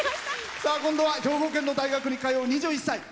今度は兵庫県の大学に通う２１歳。